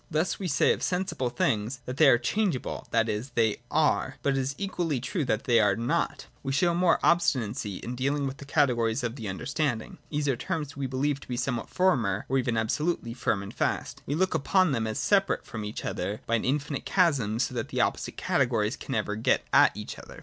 Thus we say of sensible things, that they are changeable : that is, they are, but it is equally true that they are not. We show more obstinacy in dealing with the categories of the understanding. These are terms which we believe to be somewhat firmer — or even abso lutely firm and fast. We look upon them as separated from each other by an infinite chasm, so that opposite categories can never get at each other.